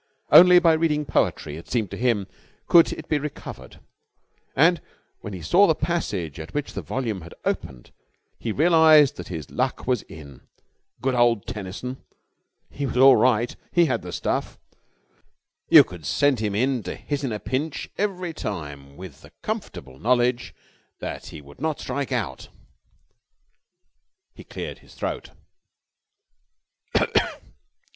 Only by reading poetry, it seemed to him, could it be recovered. And when he saw the passage at which the volume had opened he realised that his luck was in. Good old Tennyson! He was all right. He had the stuff. You could send him to hit in a pinch every time with the comfortable knowledge that he would not strike out. He cleared his throat.